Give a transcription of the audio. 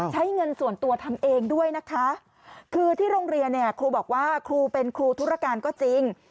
ใช้เงินส่วนตัวทำเองด้วยนะคะคือที่โรงเรียนเนี่ยครูบอกว่าครูเป็นครูธุรการก็จริง